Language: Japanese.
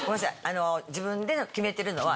自分で決めてるのは。